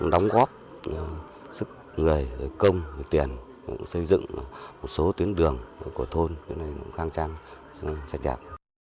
đóng góp sức người công tiền xây dựng một số tuyến đường của thôn khang trang sạch đẹp